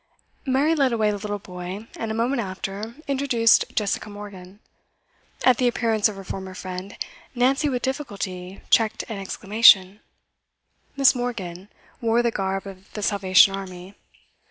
Mary led away the little boy, and, a moment after, introduced Jessica Morgan. At the appearance of her former friend, Nancy with difficulty checked an exclamation; Miss. Morgan wore the garb of the Salvation Army.